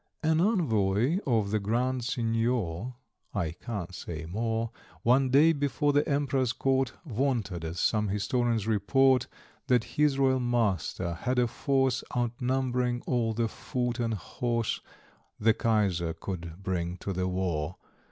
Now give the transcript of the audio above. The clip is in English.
An Envoy of the Grand Signor (I can't say more) One day, before the Emperor's court, Vaunted, as some historians report, That his royal master had a force Outnumbering all the foot and horse The Kaiser could bring to the war.